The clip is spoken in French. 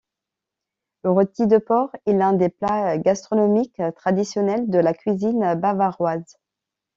Le rôti de porc est l'un des plats gastronomique traditionnels de la cuisine bavaroise.